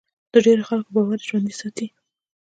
د ډېرو خلکو باور یې ژوندی ساتي.